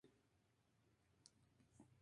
No afecta el flujo sanguíneo cerebral.